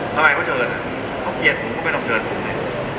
ไทยเขาเชิญเขาเกลียดผมก็ไม่ต้องเชิญผมเลย